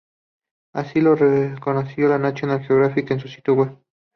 Así lo reconoció la National Geographic en su sitio web.